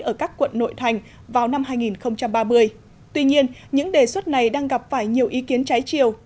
ở các quận nội thành vào năm hai nghìn ba mươi tuy nhiên những đề xuất này đang gặp phải nhiều ý kiến trái chiều